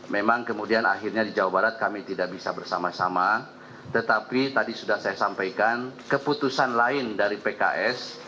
memang kemudian akhirnya di jawa barat kami tidak bisa bersama sama tetapi tadi sudah saya sampaikan keputusan lain dari pks